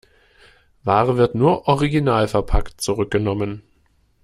Ware wird nur originalverpackt zurückgenommen.